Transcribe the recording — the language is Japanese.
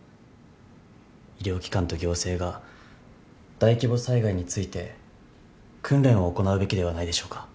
医療機関と行政が大規模災害について訓練を行うべきではないでしょうか。